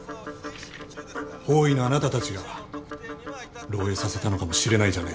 法医のあなたたちが漏えいさせたのかもしれないじゃないですか。